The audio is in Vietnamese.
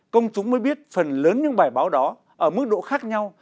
công chúng mới biết phần lớn những bài báo đó ở mức độ khác nhau